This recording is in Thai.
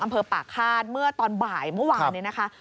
อำเภอปากฆาตเมื่อตอนบ่ายเมื่อวานนี้นะคะ